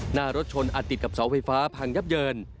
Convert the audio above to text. หน้ารถชนอัดติดกับเสาไฟฟ้าพังยับเยิน